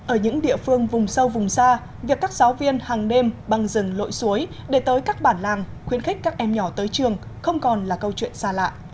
ở những địa phương vùng sâu vùng xa việc các giáo viên hàng đêm băng rừng lội suối để tới các bản làng khuyến khích các em nhỏ tới trường không còn là câu chuyện xa lạ